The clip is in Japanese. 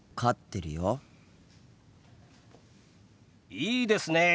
いいですねえ。